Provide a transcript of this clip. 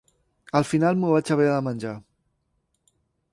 Al final m’ho vaig haver de menjar.